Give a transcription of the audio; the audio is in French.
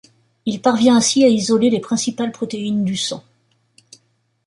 Il parvient ainsi à isoler les principales protéines du sang.